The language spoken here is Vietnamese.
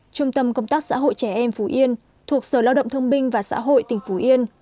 trung tâm công tác xã hội trẻ em phú yên thuộc sở lao động thương binh và xã hội tỉnh phú yên